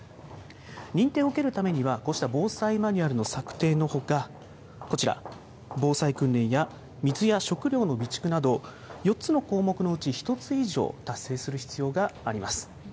認定を受けるためには、こうした防災マニュアルの策定のほか、こちら、防災訓練や水や食料の備蓄など、４つの項目のうち１つ以上達成する必要があります。